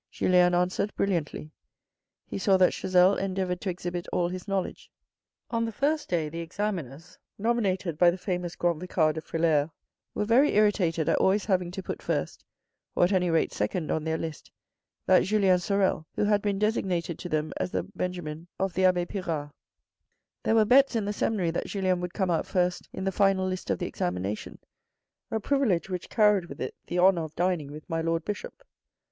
Julien answered brilliantly. He saw that Chazel endeavoured to exhibit all his knowledge. On the first day the examiners, nominated by the famous Grand Vicar de Frilair, were very irritated at always having to put first, or at any rate second, on their list, that Julien Sorel, who had been designated to them as the Benjamin of the Abbe Pirard. There were bets in the seminary that Julien would come out first in the final list of the examination, a privilege which carried with it the honour of dining with my Lord Bishop.